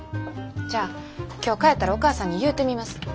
じゃあ今日帰ったらお母さんに言うてみます。